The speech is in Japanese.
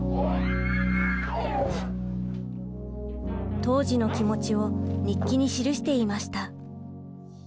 当時の気持ちを日記に記していました。